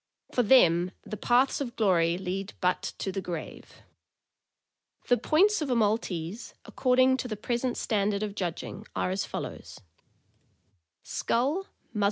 For them uthe paths of glory lead but to the grave." The points of a Maltese, according to the present stand ard of judging, are as follows: Value.